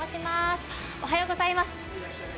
おはようございます。